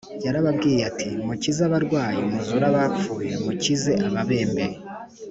yarababwiye ati, “mukize abarwayi, muzure abapfuye, mukize ababembe,